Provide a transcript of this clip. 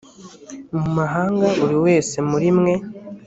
mumahanga kuri buri wese muri mwe